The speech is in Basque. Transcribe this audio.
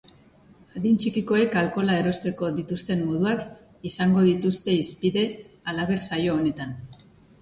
Adin txikikoek alkohola erosteko dituzten moduak izango dituzte hizpide halaber saio honetan.